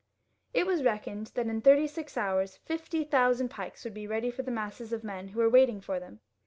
It was reckoned that in thirty six hours fifty thousand pikes would be ready for the masses of men who were waiting for them.